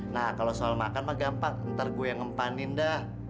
nah kalau soal makan mah gampang ntar gue yang ngempanin dah